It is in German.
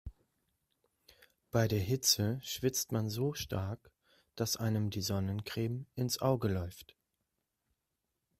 Bei der Hitze schwitzt man so stark, dass einem die Sonnencreme ins Auge läuft.